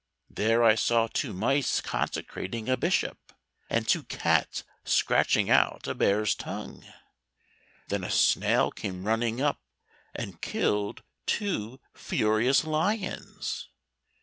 There I saw two mice consecrating a bishop, and two cats scratching out a bear's tongue. Then a snail came running up and killed two furious lions.